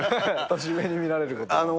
年上に見られることが。